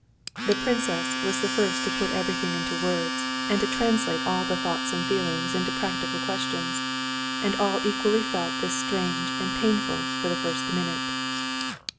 The princess was the first to put everything into words, and to translate all thoughts and feelings into practical questions. And all equally felt this strange and painful for the first minute.